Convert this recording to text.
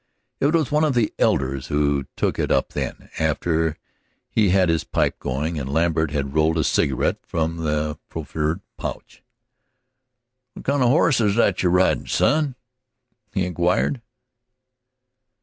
It was one of the elders who took it up then, after he had his pipe going and Lambert had rolled a cigarette from the proffered pouch. "What kind of a horse is that you're ridin', son?" he inquired.